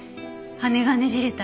羽がねじれた。